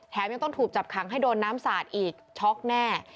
ยังต้องถูกจับขังให้โดนน้ำสาดอีกช็อกแน่